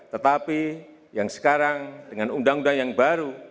tetapi yang sekarang dengan undang undang yang baru